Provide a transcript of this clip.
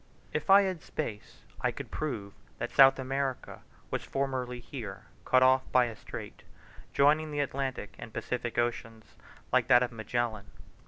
If I had space I could prove that South America was formerly here cut off by a strait, joining the Atlantic and Pacific oceans, like that of Magellan.